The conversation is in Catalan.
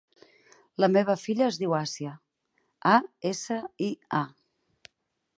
La meva filla es diu Asia: a, essa, i, a.